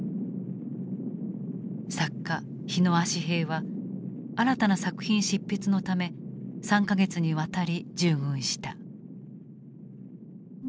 作家火野葦平は新たな作品執筆のため３か月にわたり従軍した。